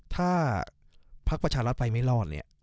ถ้าพระภาชาลัดไปไม่รอด